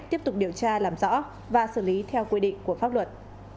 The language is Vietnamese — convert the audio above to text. tiếp tục điều tra làm rõ và xử lý theo quy định của pháp luật